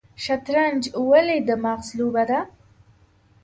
شطرنج ولې د مغز لوبه ده؟